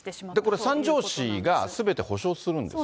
これ、三条市がすべて補償するんですよね。